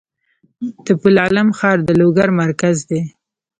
د پل علم ښار د لوګر مرکز دی